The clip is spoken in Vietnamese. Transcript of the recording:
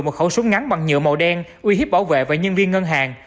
một khẩu súng ngắn bằng nhựa màu đen uy hiếp bảo vệ và nhân viên ngân hàng